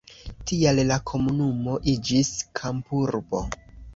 Tial la komunumo iĝis kampurbo.